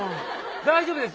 大丈夫です